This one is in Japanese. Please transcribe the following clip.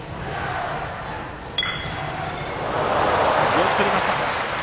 よくとりました。